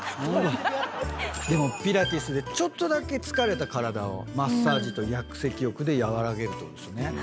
でもピラティスでちょっとだけ疲れた体をマッサージと薬石浴で和らげるってことですよね。